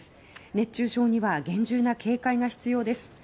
熱中症には厳重な警戒が必要です。